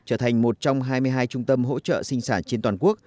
trở thành một trong hai mươi hai trung tâm hỗ trợ sinh sản trên toàn quốc